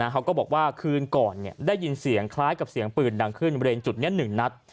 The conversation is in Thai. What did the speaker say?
เขาก็บอกว่าคืนก่อนได้ยินเสียงคล้ายกับเสียงปืนดังขึ้นบริเวณจุดนี้๑นัด